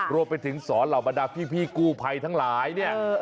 รวมไปถึงสอนเหล่าบรรดาพี่กู้ภัยทั้งหลายเนี่ย